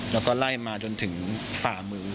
แล้วก็ไล่มาจนถึงฝ่ามือ